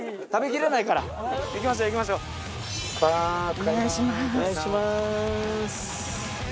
お願いします。